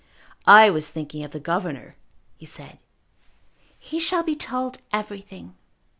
"I was thinking of the governor," he said. "He shall be told everything."